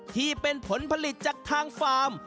ที่เป็นผลผลิตจากทางฟาร์ม